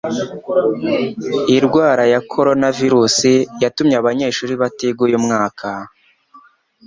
Irwara ya koronavirusi yatumye abanyeshuri batiga uyu mwaka